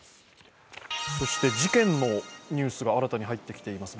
事件のニュースが新たに入ってきています。